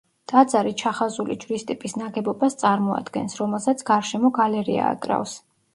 ტაძარი ჩახაზული ჯვრის ტიპის ნაგებობას წარმოადგენს, რომელსაც გარშემო გალერეა აკრავს.